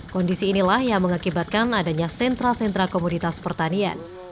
kondisi inilah yang mengakibatkan adanya sentra sentra komoditas pertanian